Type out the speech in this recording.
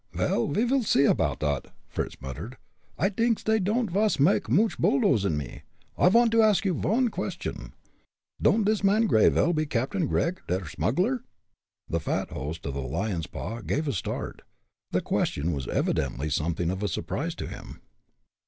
"Vel, ve vil see apoud dot," Fritz muttered. "I dinks dey don'd vas make mooch bulldozing me. I vant to ask you von question don'd this man Greyville be Captain Gregg, der smuggler?" The fat host of the Lion's Paw gave a start. The question was evidently something of a surprise to him.